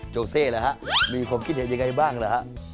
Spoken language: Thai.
โจเซเหรอฮะมีความคิดเห็นยังไงบ้างเหรอฮะ